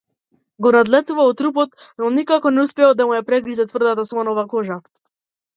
Го надлетувал трупот, но никако не успевал да му ја прегризе тврдата слонова кожа.